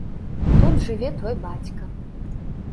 Тут жыве твой бацька.